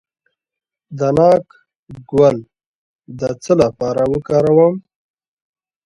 د ناک ګل د څه لپاره وکاروم؟